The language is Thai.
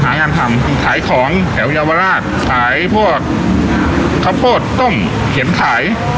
หางานทำขายของแถวเยาวราชขายพวกข้าวโพดต้มเข็นขาย